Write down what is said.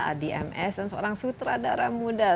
adi ms dan seorang sutradara muda